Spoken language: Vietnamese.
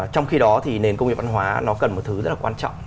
trong khi đó thì nền công nghiệp văn hóa nó cần một thứ rất là quan trọng